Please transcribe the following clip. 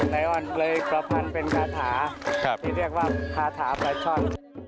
นายออนเลยประพันธ์เป็นคาถาที่เรียกว่าคาถาปลาช่อน